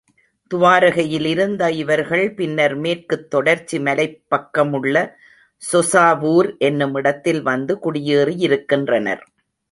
துவாரகையிலிருந்த இவர்கள், பின்னர் மேற்குத் தொடர்ச்சி மலைப் பக்கமுள்ள சொசாவூர் என்னுமிடத்தில் வந்து குடியேறியிருக்கின்றனர்.